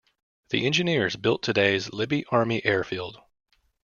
The engineers built today's Libby Army Airfield.